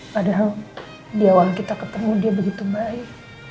padahal di awal kita ketemu dia begitu baik